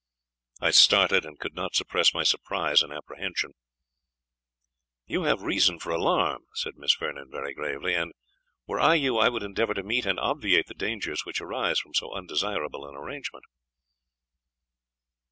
I started, and could not suppress my surprise and apprehension. "You have reason for alarm," said Miss Vernon, very gravely; "and were I you, I would endeavour to meet and obviate the dangers which arise from so undesirable an arrangement."